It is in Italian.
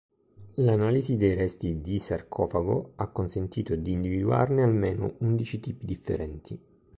L’analisi dei resti di sarcofago ha consentito di individuarne almeno undici tipi differenti.